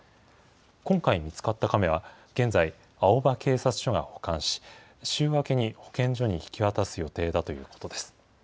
今回見つかったカメは、現在、青葉警察署が保管し、週明けに保健所に引き渡す予定だということです。